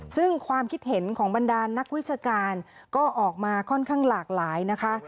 ซึ่งความคิดเห็นของบรรดานนักวิชาการก็ออกมาค่อนข้างหลากหลายนะคะ